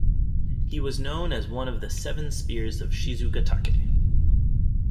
He was known as one of the "Seven Spears of Shizugatake".